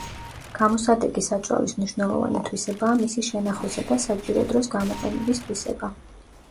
გამოსადეგი საწვავის მნიშვნელოვანი თვისებაა მისი შენახვისა და საჭირო დროს გამოყენების თვისება.